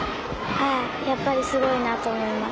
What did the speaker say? ああやっぱりすごいなと思います。